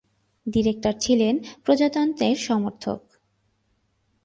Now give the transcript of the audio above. Director ছিলেন প্রজাতন্ত্রের সমর্থক।